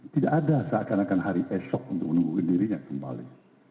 tidak ada seakan akan hari esok untuk menunggu dirinya kembali